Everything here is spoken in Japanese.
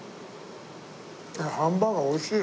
あっハンバーガー美味しいよ。